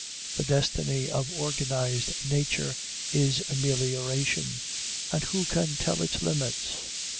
The destiny of organized nature is amelioration, and who can tell its limits?